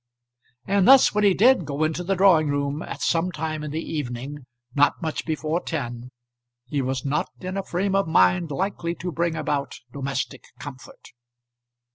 And thus when he did go into the drawing room at some time in the evening not much before ten, he was not in a frame of mind likely to bring about domestic comfort.